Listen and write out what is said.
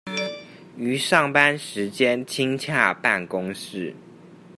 於上班時間親洽辦公室